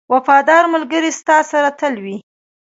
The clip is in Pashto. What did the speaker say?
• وفادار ملګری ستا سره تل وي.